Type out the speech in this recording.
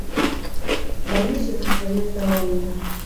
Баюся за сваё здароўе.